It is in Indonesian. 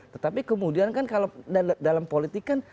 tetapi kemudian kan kalau dalam politik kan